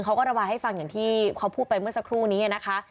เขาก็ระบายให้ฟังอย่างที่เขาพูดไปเมื่อสักครู่นี้นะคะ